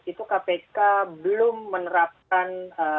itu kpk belum menerapkan